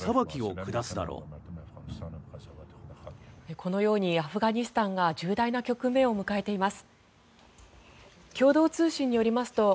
このようにアフガニスタンが重大な局面を迎えています。